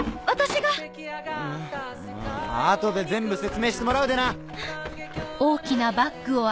後で全部説明してもらうでな！